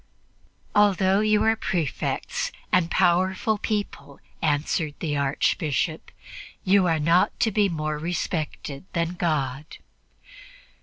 "Although you are Prefects and powerful people," answered the Archbishop, "you are not to be more respected than God."